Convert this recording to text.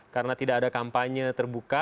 karena tidak ada kampanye terbuka